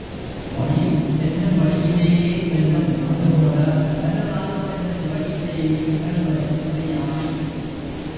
வழி, செல்லும் வழியிலேயே செல்லும், அதுபோல, வரலாறு செல்லும் வழியிலேயே செல்வது அறியாமை.